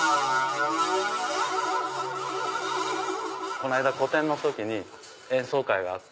この間個展の時演奏会があって。